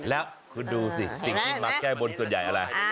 แล้วคุณดูสิสิ่งที่มาแก้บนส่วนใหญ่อะไร